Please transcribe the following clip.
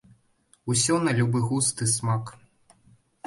Усё на любы густ і смак.